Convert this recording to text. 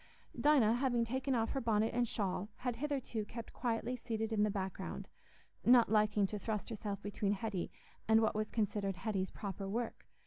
Dinah, having taken off her bonnet and shawl, had hitherto kept quietly seated in the background, not liking to thrust herself between Hetty and what was considered Hetty's proper work.